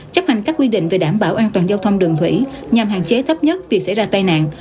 chấp hành các quy định về đảm bảo an toàn giao thông đường thủy nhằm hạn chế thấp nhất việc xảy ra tai nạn